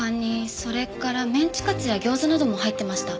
それからメンチカツや餃子なども入ってました。